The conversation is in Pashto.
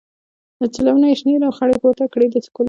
له چلم نه یې شنې لوخړې پورته کړې د څکلو.